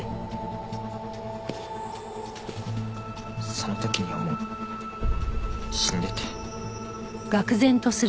その時にはもう死んでて。